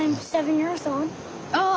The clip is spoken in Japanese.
ああ。